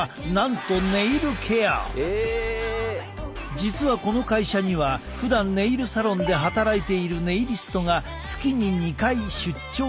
実はこの会社にはふだんネイルサロンで働いているネイリストが月に２回出張してくる。